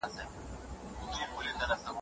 د ملکیار سبک ته فردي سبک هم ویلی شو.